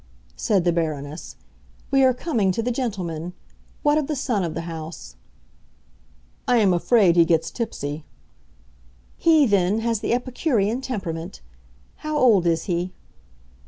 said the Baroness. "We are coming to the gentlemen. What of the son of the house?" "I am afraid he gets tipsy." "He, then, has the epicurean temperament! How old is he?"